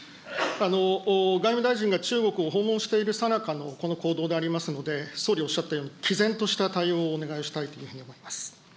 外務大臣が中国を訪問しているさなかの、この行動でありますので、総理おっしゃったように、きぜんとした対応をお願いしたいというふうに思います。